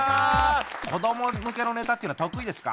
子ども向けのネタっていうのは得意ですか？